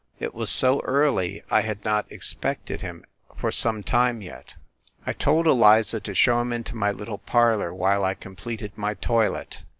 It was so early I had not expected him for some time yet. I told Eliza to show him into my little parlor while I completed my toilet.